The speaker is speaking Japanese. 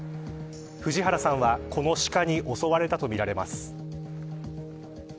藤原さんはこのシカに襲われたとみられます。